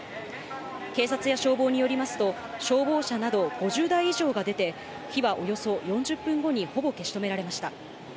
警察や消防によりますと、消防車など５０台以上が出て、火はおよそ４０分後にほぼ消し止められました。